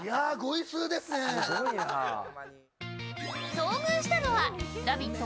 遭遇したのは「ラヴィット！」